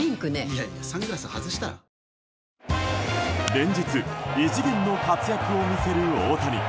連日、異次元の活躍を見せる大谷。